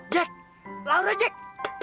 jack laura jack